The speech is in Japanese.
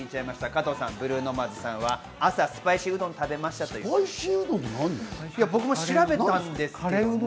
加藤さん、ブルーノ・マーズさんは朝、スパイシーうどん食べましたということです。